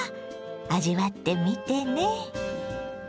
味わってみてね。